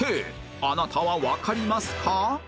あなたはわかりますか？